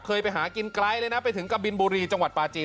ไปหากินไกลเลยนะไปถึงกะบินบุรีจังหวัดปลาจีน